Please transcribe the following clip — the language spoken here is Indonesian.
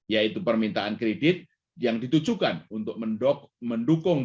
yaitu permintaan kredit yang ditujukan untuk mendukung